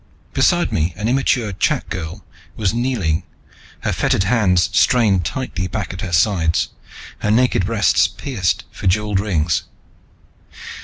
Beside me an immature chak girl was kneeling, her fettered hands strained tightly back at her sides, her naked breasts pierced for jeweled rings.